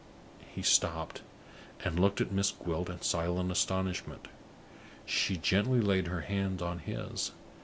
He stopped, and looked at Miss Gwilt in silent astonishment. She gently laid her hand on his.